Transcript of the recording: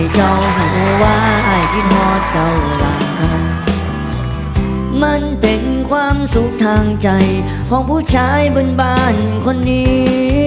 เจ้าอาวาสมันเป็นความสุขทางใจของผู้ชายบนบ้านคนนี้